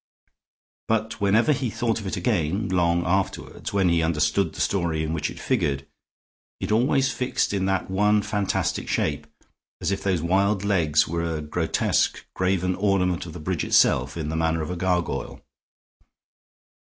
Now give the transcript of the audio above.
But whenever he thought of it again, long afterward, when he understood the story in which it figured, it was always fixed in that one fantastic shape as if those wild legs were a grotesque graven ornament of the bridge itself, in the manner of a gargoyle.